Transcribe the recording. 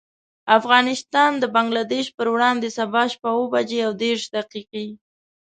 افغانستان د بنګلدېش پر وړاندې، سبا شپه اوه بجې او دېرش دقيقې.